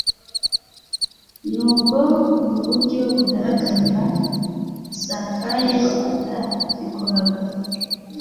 nubwo mu buryo bugaragara Zakayo atabikoraga,